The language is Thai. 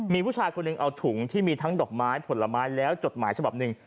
มีผู้ชายคนหนึ่งเอาถุงที่มีทั้งดอกไม้ผลไม้แล้วจดหมายฉบับหนึ่ง